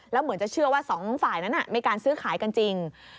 แล้วเหมือนจะเชื่อว่าสองฝ่ายนั้นมีการซื้อขายกันจริง